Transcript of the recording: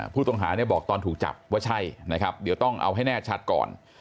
ผู้ต้องหาเนี่ยบอกตอนถูกจับว่าใช่นะครับเดี๋ยวต้องเอาให้แน่ชัดก่อน